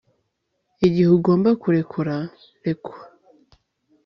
igihe ugomba kurekura, reka